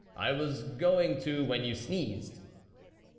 I was going to when you sneezed."